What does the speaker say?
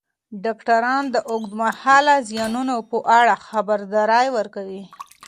ډاکټران د اوږدمهاله زیانونو په اړه خبرداری ورکوي.